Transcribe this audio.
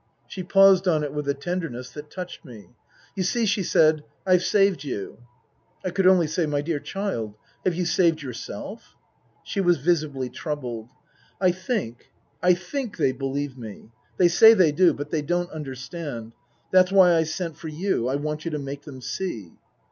She paused on it with a tenderness that touched me. " You see," she said, " I've saved you." I could only say, " My dear child have you saved yourself ?" She was visibly troubled. " I think I think they believe me. They say they do. But they don't understand. That's why I sent for you. I want you to make them see."